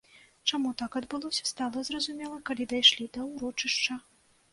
Чаму так адбылося, стала зразумела, калі дайшлі да ўрочышча.